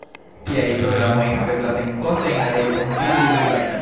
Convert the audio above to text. Tiaj programoj haveblas senkoste en la reto, vidu ligilojn.